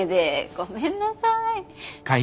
ごめんなさい。